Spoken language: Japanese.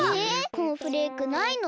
コーンフレークないの？